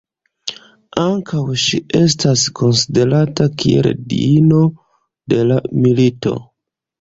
Ankaŭ ŝi estas konsiderata kiel diino de la milito.